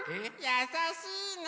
やさしいね！